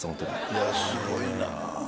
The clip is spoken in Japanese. いやすごいなぁ。